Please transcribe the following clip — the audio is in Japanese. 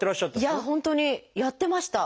いや本当にやってました。